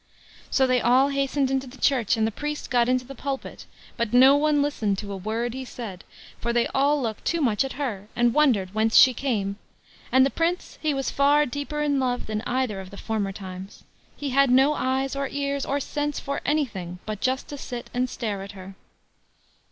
So they all hastened into church, and the priest got into the pulpit, but no one listened to a word he said; for they all looked too much at her, and wondered whence she came; and the Prince, he was far deeper in love than either of the former times. He had no eyes, or ears, or sense for anything, but just to sit and stare at her.